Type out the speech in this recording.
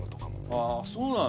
あぁそうなの？